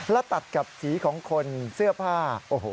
และตัดกับสีของคนเสื้อผ้า